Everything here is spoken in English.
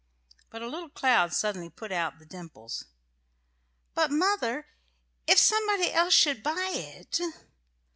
But a little cloud suddenly put out the dimples. "But, Mother, if somebody else should buy it?"